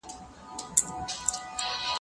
که وخت وي، لوښي وچوم؟!